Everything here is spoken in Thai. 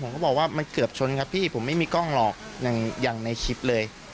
ผมก็บอกว่ามันเกือบชนครับพี่ผมไม่มีกล้องหรอกอย่างในคลิปเลย